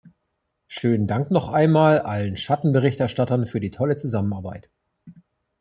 Schönen Dank noch einmal allen Schattenberichterstattern für die tolle Zusammenarbeit.